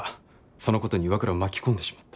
そのことに岩倉を巻き込んでしまった。